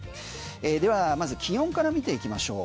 ではまず気温から見ていきましょう。